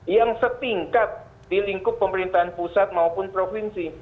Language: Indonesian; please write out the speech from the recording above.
yang setingkat di lingkup pemerintahan pusat maupun provinsi